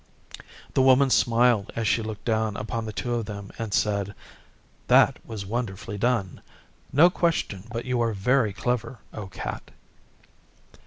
The Woman smiled as she looked down upon the two of them and said, 'That was wonderfully done. No question but you are very clever, O Cat.